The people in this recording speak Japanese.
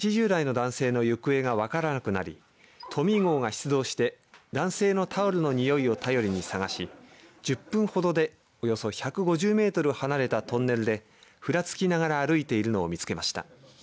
警察によりますと、今月４日防府市で８０代の男性の行方が分からなくなりトミー号が出動して男性のタオルのにおいを頼りに探し１０分ほどでおよそ１５０メートル離れたトンネルでふらつきながら歩いているのを見つけました。